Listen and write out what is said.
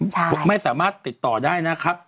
พวกแม่สามารถติดต่อได้